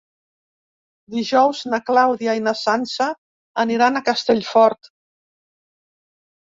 Dijous na Clàudia i na Sança aniran a Castellfort.